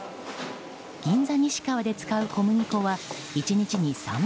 銀座に志かわで使う小麦粉は１日に３００ｋｇ。